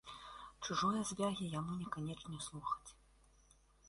Чужое звягі яму не канечне слухаць.